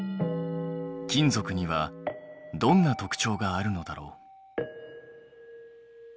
金属にはどんな特徴があるのだろう？